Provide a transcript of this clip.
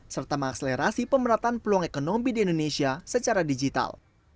serta mengakselerasi pemerataan peluang ekonomi di indonesia secara digital